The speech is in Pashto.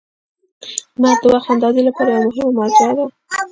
• لمر د وخت اندازې لپاره یوه مهمه مرجع ده.